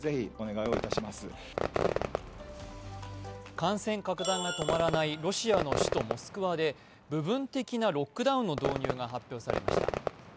感染拡大が止まらないロシアの首都モスクワで部分的なロックダウンの導入が発表されました。